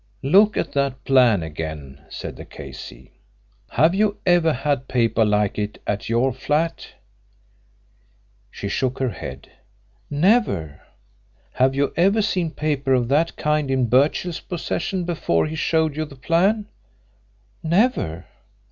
"Look at that plan again," said the K.C. "Have you ever had paper like it at your flat?" She shook her head. "Never." "Have you ever seen paper of that kind in Birchill's possession before he showed you the plan?" "Never."